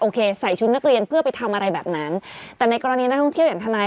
ใส่ชุดนักเรียนเพื่อไปทำอะไรแบบนั้นแต่ในกรณีนักท่องเที่ยวอย่างทนาย